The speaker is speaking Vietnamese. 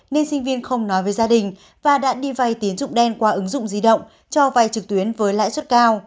nên sinh viên không nói với gia đình và đã đi vay tín dụng đen qua ứng dụng di động cho vay trực tuyến với lãi suất cao